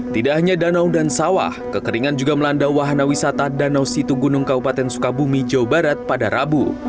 tidak hanya danau dan sawah kekeringan juga melanda wahana wisata danau situ gunung kabupaten sukabumi jawa barat pada rabu